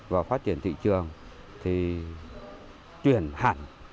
và phát triển thị trường thì chuyển hẳn